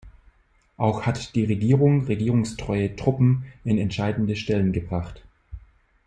Auch hat die Regierung regierungstreue Truppen in entscheidende Stellen gebracht.